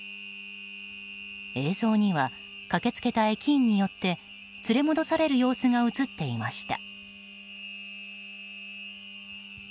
映像には駆けつけた駅員によって連れ戻される様子が映っていました。